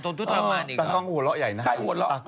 น้องเอมมี่หรือเปล่าคะหมอดูคนนั้น